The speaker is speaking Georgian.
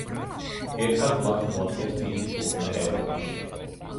ერთად მათ მოაწყვეს დიდი ტურნე ევროპაში.